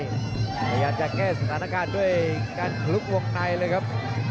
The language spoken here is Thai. พยายามจะแก้สถานการณ์ด้วยการคลุกวงในเลยครับ